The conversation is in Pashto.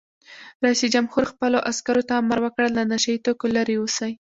رئیس جمهور خپلو عسکرو ته امر وکړ؛ له نشه یي توکو لرې اوسئ!